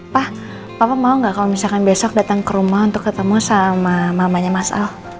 pak papa mau nggak kalau misalkan besok datang ke rumah untuk ketemu sama mamanya mas ahok